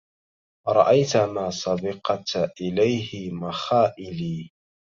أرأيت ما سبقت إليه مخائلي